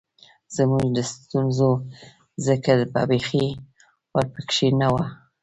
زمونږ د ستونزو ذکــــــر به بېخي ورپکښې نۀ وۀ